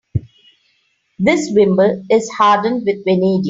This wimble is hardened with vanadium.